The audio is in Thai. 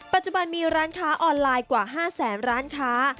ปัจจุบันมีร้านค้าออนไลน์กว่า๕แสนร้านค้า